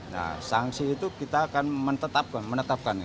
nah sanksi itu kita akan menetapkannya